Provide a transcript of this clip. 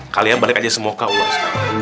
kalian balik aja semoga allah sekarang